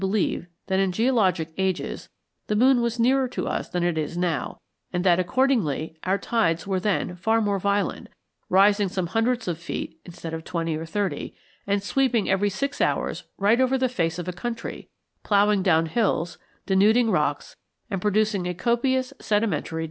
There is every reason to believe that in geologic ages the moon was nearer to us than it is now, and that accordingly our tides were then far more violent, rising some hundreds of feet instead of twenty or thirty, and sweeping every six hours right over the face of a country, ploughing down hills, denuding rocks, and producing a copious sedimentary deposit.